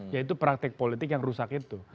yaitu praktik politik yang rusak itu